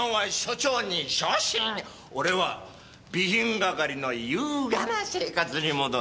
俺は備品係の優雅な生活に戻れるの。